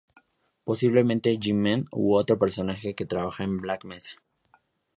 Posiblemente G-Man u otro personaje que trabajaba en Black Mesa.